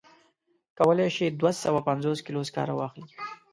کولای شي دوه سوه پنځوس کیلو سکاره واخلي.